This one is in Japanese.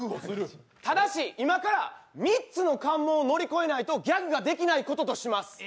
ただし、今から３つの関門を乗り越えないとギャグができないこととします。